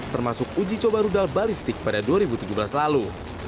termasuk uji coba rudal balistik pada dua ribu tujuh belas lalu